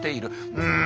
「うん」。